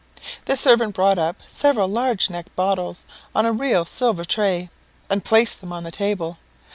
"The servant brought up several long necked bottles on a real silver tray, and placed them on the table.